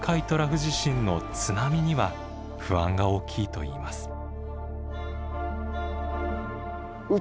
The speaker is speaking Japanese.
トラフ地震の津波には不安が大きいといいます。